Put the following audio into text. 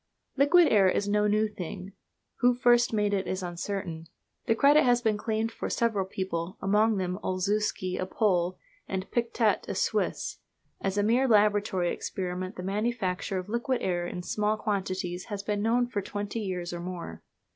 Liquid air is no new thing. Who first made it is uncertain. The credit has been claimed for several people, among them Olzewski, a Pole, and Pictet, a Swiss. As a mere laboratory experiment the manufacture of liquid air in small quantities has been known for twenty years or more.